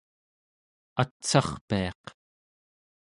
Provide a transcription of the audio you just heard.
atsarpiaq